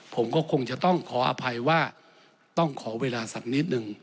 ผมก็คงจะต้องขออภัยว่าต้องขอเวลาสักนิดนึง